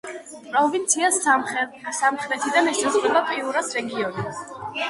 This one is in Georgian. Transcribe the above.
პროვინციას სამხრეთიდან ესაზღვრება პიურას რეგიონი.